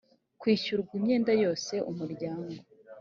kwishyurwa imyenda yose umuryango